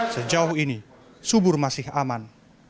sejauh ini subur masih aman